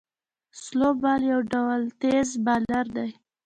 سلو بال یو ډول تېز بالر دئ.